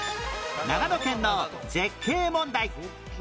長野県の絶景問題